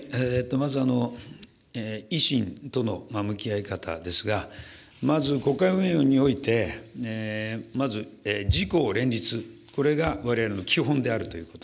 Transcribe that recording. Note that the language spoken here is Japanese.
まず維新との向き合い方ですが、まず、国会運営において、まず自公連立、これがわれわれの基本であるということ。